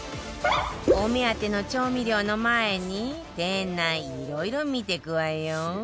お目当ての調味料の前に店内いろいろ見てくわよ